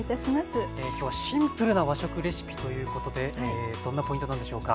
きょうはシンプルな和食レシピということでどんなポイントなんでしょうか？